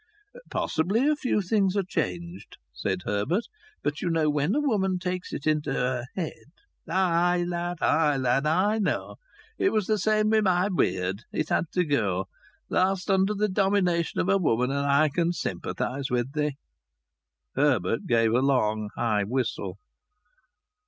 "Possibly a few things are changed," said Herbert. "But you know when a woman takes into her head " "Ay, lad! Ay, lad! I know! It was th' same wi' my beard. It had for go. Thou'st under the domination of a woman, and I can sympathize wi' thee." Herbert gave a long, high whistle.